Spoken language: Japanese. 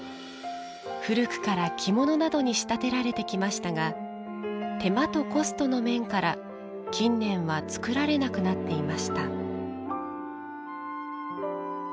古くから着物などに仕立てられてきましたが手間とコストの面から近年は作られなくなっていました。